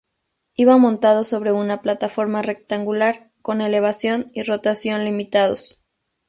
Iba montado sobre una plataforma rectangular con elevación y rotación limitados.